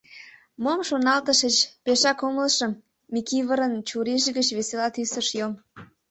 — Мом шоналтышыч — пешак умылышым, — Микывырын чурийже гыч весела тӱс ыш йом.